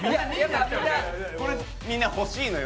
これみんな欲しいのよ